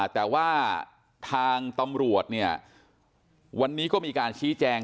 แต่ว่าทางตำรวจเนี่ยวันนี้ก็มีการชี้แจง